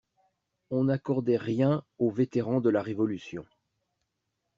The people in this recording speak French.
On n'accordait rien aux vétérans de la Révolution.